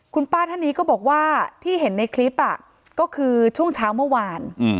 คุณป้าท่านนี้ก็บอกว่าที่เห็นในคลิปก็คือช่วงเช้าเมื่อวาน